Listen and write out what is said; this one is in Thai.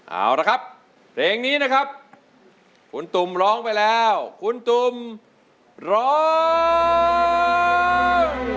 เอาละครับเพลงนี้นะครับคุณตุ๋มร้องไปแล้วคุณตุ่มร้อง